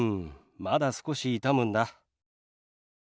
まだ少し痛むんだ。